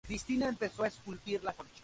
Fue un hábil maestro.